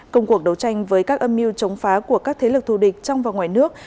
công cuộc đấu tranh với các âm mưu chống phá của các thế lực thù địch trong và ngoài nước